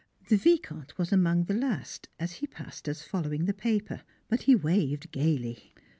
The Vicomte was among the last, as he passed us following the paper, but he waved gaily.